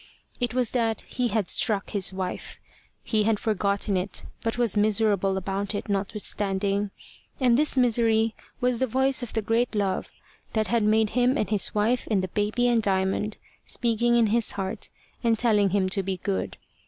It was that he had struck his wife. He had forgotten it, but was miserable about it, notwithstanding. And this misery was the voice of the great Love that had made him and his wife and the baby and Diamond, speaking in his heart, and telling him to be good.